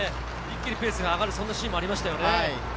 一気にペースが上がる、そうなシーンもありました。